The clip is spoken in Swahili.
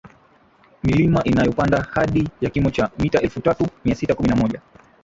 milima inayopanda hadi ya kimo cha m elfu tatu Mia sita kumi na moja